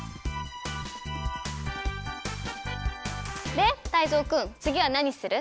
でタイゾウくんつぎはなにする？